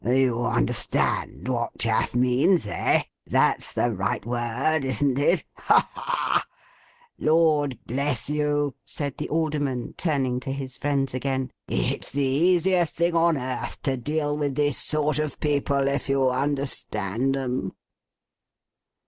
You understand what "chaff" means, eh? That's the right word, isn't it? Ha, ha, ha! Lord bless you,' said the Alderman, turning to his friends again, 'it's the easiest thing on earth to deal with this sort of people, if you understand 'em.